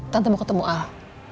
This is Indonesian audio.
tante mau ketemu al